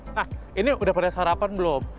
nah ini udah pada sarapan belum